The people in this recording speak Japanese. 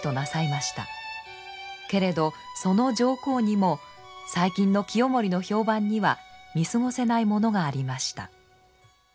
けれどその上皇にも最近の清盛の評判には見過ごせないものがありました。